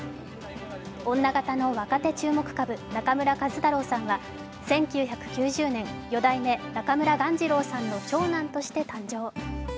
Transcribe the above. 女形の若手注目株、中村壱太郎さんは１９９０年、四代目中村鴈治郎さんの長男として誕生。